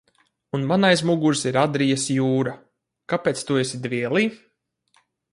Un man aiz muguras ir Adrijas jūra. Kāpēc tu esi dvielī?